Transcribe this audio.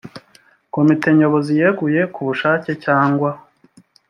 komite nyobozi yeguye ku bushake cyangwa